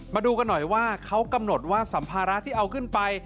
มาดูกันหน่อยว่าเขากำหนดว่าสัมภาระที่เอาขึ้นไป